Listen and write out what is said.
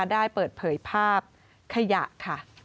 ได้เปิดเผยภาพขยะค่ะ